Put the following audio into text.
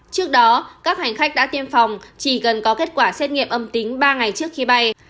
trước đó các hành khách đã tiêm phòng chỉ cần có kết quả xét nghiệm âm tính ba ngày trước khi bay